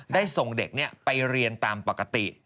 ได้ส่งเด็กไปเรียนตามปกติ